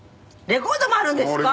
「レコードもあるんですか？」